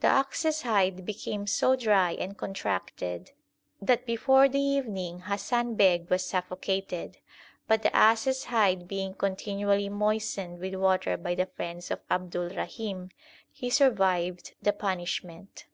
The ox s hide became so dry and contracted, that before the evening Hasan Beg was suffocated ; but the ass s hide being continually moistened with water by the friends of Abdulrahim, he survived the punishment.